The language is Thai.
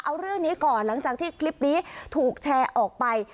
เอาเรื่องนี้ก่อนหลังจากที่คลิปนี้ถูกแชร์ออกไป